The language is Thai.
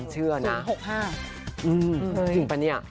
จริงปะเนี่ย